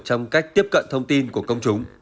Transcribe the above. trong cách tiếp cận thông tin của công chúng